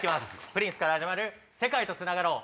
プリンスから始まる世界と繋がろう‼